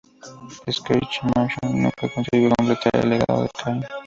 Sacher-Masoch nunca consiguió completar "El legado de Caín".